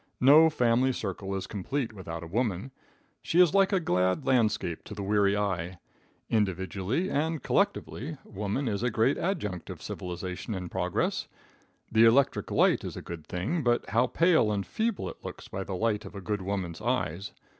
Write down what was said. No family circle is complete without a woman. She is like a glad landscape to the weary eye. Individually and collectively, woman is a great adjunct of civilization and progress. The electric light is a good thing, but how pale and feeble it looks by the light of a good woman's eyes.